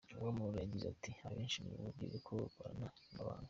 Uwamahoro yagize ati “Abenshi mu rubyiruko dukorana ni abahanga.